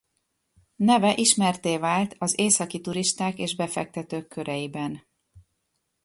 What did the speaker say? Neve ismertté vált az északi turisták és befektetők köreiben.